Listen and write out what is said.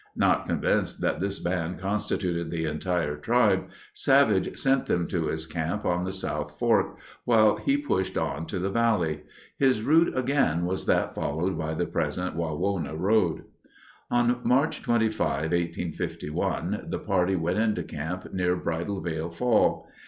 Not convinced that this band constituted the entire tribe, Savage sent them to his camp on the South Fork while he pushed on to the valley. His route again was that followed by the present Wawona road. On March 25, 1851, the party went into camp near Bridalveil Fall.